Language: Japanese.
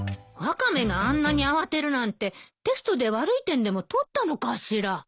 ワカメがあんなに慌てるなんてテストで悪い点でも取ったのかしら？